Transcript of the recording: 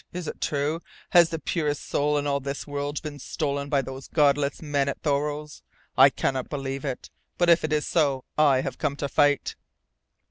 Is it true? Has the purest soul in all this world been stolen by those Godless men at Thoreau's? I cannot believe it! But if it is so, I have come to fight!"